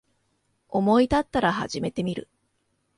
思いたったら始めてみる